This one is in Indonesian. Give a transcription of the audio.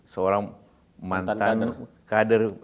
seorang mantan kader